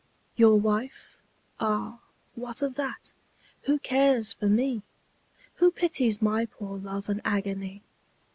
Your wife? Ah, what of that, who cares for me? Who pities my poor love and agony?